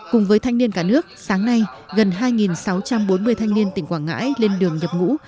cùng với thanh niên cả nước sáng nay gần hai sáu trăm bốn mươi thanh niên tỉnh quảng ngãi lên đường nhập ngũ